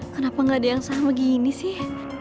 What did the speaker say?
kenapa gak ada yang sama gini sih